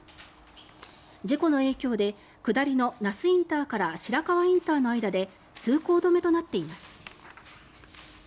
事故の影響で、下りの那須ＩＣから白河ＩＣの間で通行止めとなっています。